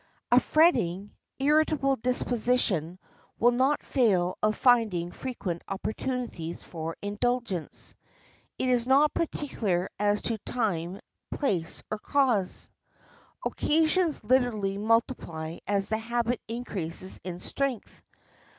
A fretting, irritable disposition will not fail of finding frequent opportunities for indulgence. It is not particular as to time, place, or cause. Occasions literally multiply as the habit increases in strength.